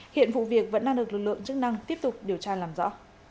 hiện vụ việc vẫn đang được lực lượng chức năng tiếp tục điều tra làm rõ